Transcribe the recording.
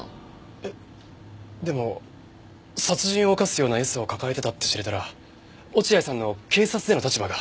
えっでも殺人を犯すようなエスを抱えてたって知れたら落合さんの警察での立場が。